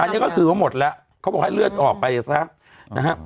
อันนี้ก็คือว่าหมดแล้วเขาบอกให้เลือดออกไปซะนะฮะ